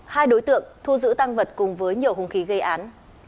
hai đối tượng thu giữ tăng vật cùng với nhiều hùng khí gây án